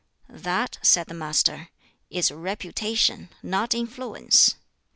"That," said the Master, "is reputation, not influence.